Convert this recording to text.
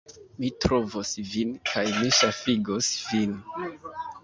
Mi trovos vin, kaj mi ŝafigos vin!